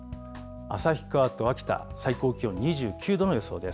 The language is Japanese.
旭川と秋田、最高気温２９度の予想です。